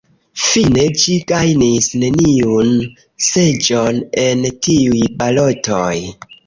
Fine ĝi gajnis neniun seĝon en tiuj balotoj.